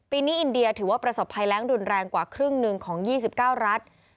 ปีนี้อินเดียถือว่าประสบภัยแรงรุนแรงกว่าครึ่งหนึ่งของ๒๙รัฐ